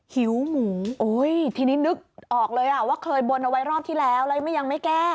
หิวหมูโอ้ยทีนี้นึกออกเลยอ่ะว่าเคยบนเอาไว้รอบที่แล้วแล้วยังไม่แก้